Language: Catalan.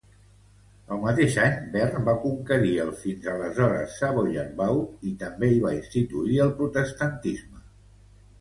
El mateix any, Bern va conquerir el fins aleshores Savoyard Vaud i també hi va instituir el protestantisme.